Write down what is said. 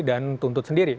dan tuntut sendiri